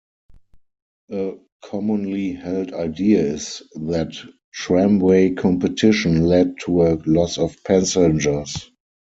A commonly held idea is that tramway competition led to a loss of passengers.